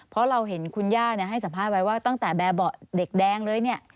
เพราะเราเห็นคุณย่าให้สัมภาษณ์ไว้ว่าตั้งแต่แบบเบาะเด็กแดงเลยเนี่ย